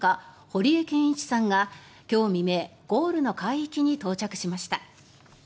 堀江謙一さんが今日未明ゴールの海域に到着しました。